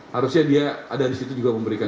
harusnya dia ada disitu juga memberikan